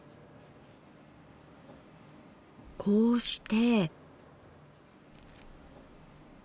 こうして。